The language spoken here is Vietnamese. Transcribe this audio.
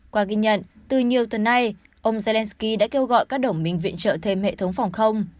qua ghi nhận từ nhiều tuần nay ông zelensky đã kêu gọi các đồng minh viện trợ thêm hệ thống phòng không